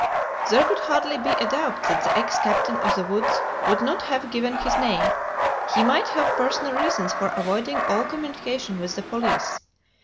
There could hardly be a doubt that the ex captain of the woods would not have given his name; he might have personal reasons for avoiding all communication with the police.